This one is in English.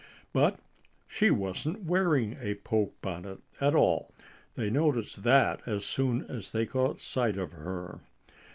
But she wasn't wearing a poke bonnet at all. They noticed that as soon as they caught sight of her.